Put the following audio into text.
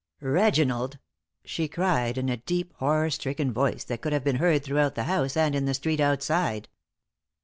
"Reginald!" she cried, in a deep, horror stricken voice that could have been heard throughout the house and in the street outside.